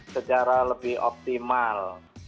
secara lebih optimal